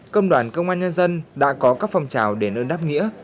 công đoàn công an nhân dân đã có các phòng trào đền ơn đắt đĩa